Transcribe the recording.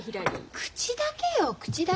口だけよ口だけ。